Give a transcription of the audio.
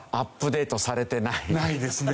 ないですね。